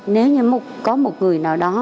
nếu như có một người nào đó